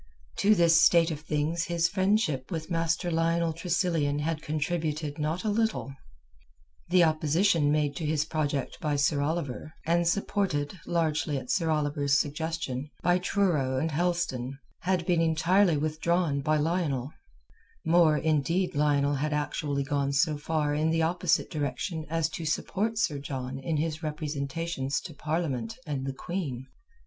To this state of things his friendship with Master Lionel Tressilian had contributed not a little. The opposition made to his project by Sir Oliver—and supported, largely at Sir Oliver's suggestion, by Truro and Helston—had been entirely withdrawn by Lionel; more, indeed Lionel had actually gone so far in the opposite direction as to support Sir John in his representations to Parliament and the Queen.